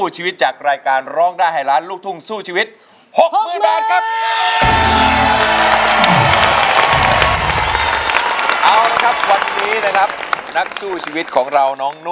ใช้ค่ะ